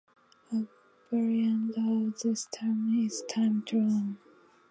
A variant of this term is time drain.